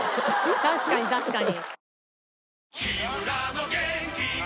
確かに確かに。